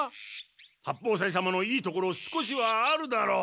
八方斎様のいいところ少しはあるだろう。